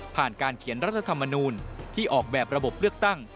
การเขียนรัฐธรรมนูลที่ออกแบบระบบเลือกตั้ง